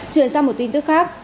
chuyển sang một tin tức khác